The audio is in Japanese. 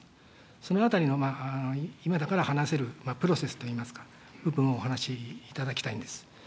そのあたりの今だから話せるプロセスといいますか、部分をお話しいただきたいんです。